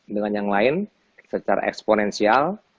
dengan yang lain secara eksponensial